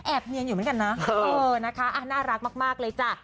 เนียนอยู่เหมือนกันนะเออนะคะน่ารักมากเลยจ้ะ